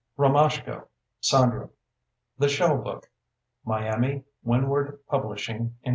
Romashko, Sandra. The Shell Book. Miami: Windward Publishing, Inc.